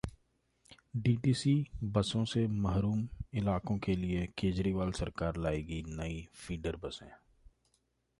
DTC बसों से महरूम इलाकों के लिए केजरीवाल सरकार लाएगी नई फीडर बसें